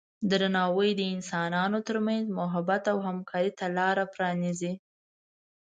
درناوی د انسانانو ترمنځ محبت او همکارۍ ته لاره پرانیزي.